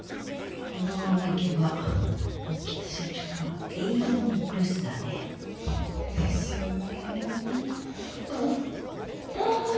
このままいけば興津社長は永遠に留守だね。ですよね。